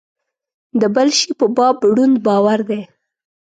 د بل شي په باب ړوند باور دی.